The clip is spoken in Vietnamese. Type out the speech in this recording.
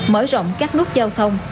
mở rộng các nút giao thông